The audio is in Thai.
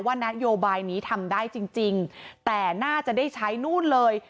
นโยบายนี้ทำได้จริงแต่น่าจะได้ใช้นู่นเลย